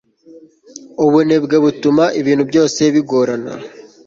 ubunebwe butuma ibintu byose bigorana